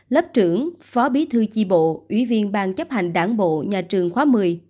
lớp trưởng phó bí thư chi bộ ủy viên ban chấp hành đảng bộ nhà trường khóa một mươi